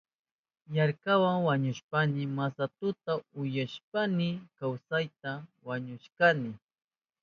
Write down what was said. Yarkaywa wañuhushpayni masatuta upyashpayni kawsayta musyashkani.